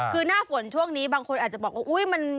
คือหน้าฝนช่วงนี้บางคนอาจจะบอกว่าอุ๊ยมัน